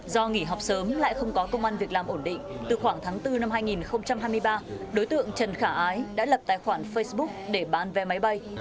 do nghỉ học sớm lại không có công an việc làm ổn định từ khoảng tháng bốn năm hai nghìn hai mươi ba đối tượng trần khả ái đã lập tài khoản facebook để bán vé máy bay